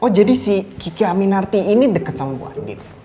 oh jadi si kiki aminarti ini deket sama bu andin